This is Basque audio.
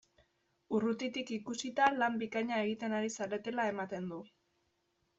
Urrutitik ikusita, lan bikaina egiten ari zaretela ematen du!